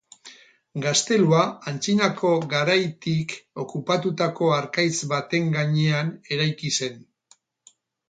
Gaztelua antzinako garaitik okupatutako harkaitz baten gainean eraiki zen.